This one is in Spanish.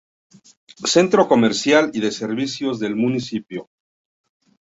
Centro comercial y de servicios del municipio.